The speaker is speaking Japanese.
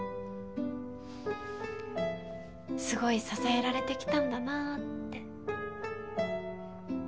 すごい支えられてきたんだなって。